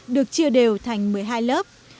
được chia đều thành một mươi hai lớp